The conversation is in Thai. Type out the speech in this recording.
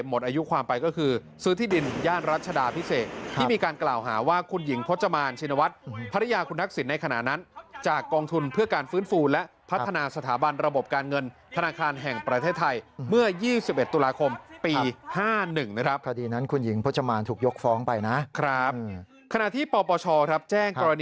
หมดอายุความไปก็คือซื้อที่ดินย่านรัชดาพิเศษที่มีการกล่าวหาว่าคุณหญิงพจมานชินวัฒน์ภรรยาคุณทักษิณในขณะนั้นจากกองทุนเพื่อการฟื้นฟูและพัฒนาสถาบันระบบการเงินธนาคารแห่งประเทศไทยเมื่อ๒๑ตุลาคมปี๕๑นะครับคดีนั้นคุณหญิงพจมานถูกยกฟ้องไปนะครับขณะที่ปปชครับแจ้งกรณี